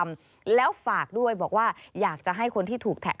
ขอความเป็นธรรมแล้วฝากด้วยบอกว่าอยากจะให้คนที่ถูกแท็ก